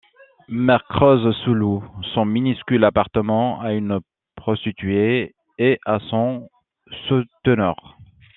Mère Krause sous-loue son minuscule appartement à une prostituée et à son souteneur.